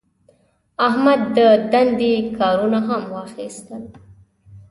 احمد د دندې کارونه هم واخیستل.